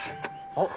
あっ。